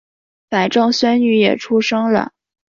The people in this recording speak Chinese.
反正孙女也出生了